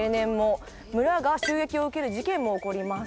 村が襲撃を受ける事件も起こります。